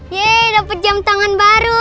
yeay dapat jam tangan baru